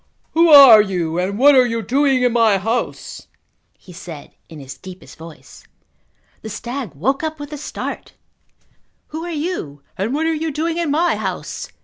"Who are you and what are you doing in my house?" he said in his deepest voice. The stag woke up with a start. "Who are you and what are you doing in my house?"